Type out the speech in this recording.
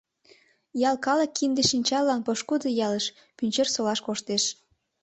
Ял калык кинде-шинчаллан пошкудо ялыш, Пӱнчерсолаш, коштеш.